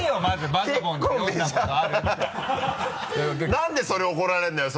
何でそれを怒られるんだよ！